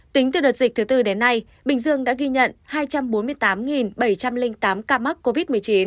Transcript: tính từ đợt dịch thứ tư đến nay bình dương đã ghi nhận hai trăm bốn mươi tám bảy trăm linh tám ca mắc covid một mươi chín